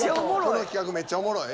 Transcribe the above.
この企画めっちゃおもろい？